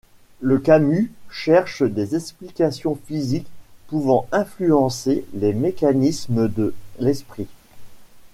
Le Camus cherche des explications physiques pouvant influencer les mécanismes de l'esprit.